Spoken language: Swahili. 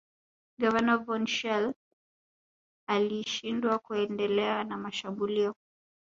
Gavana von Schele alishindwa kuendelea na mashambulio